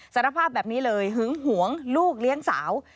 สารภาพแบบนี้เลยหึงหวงลูกเลี้ยงสาว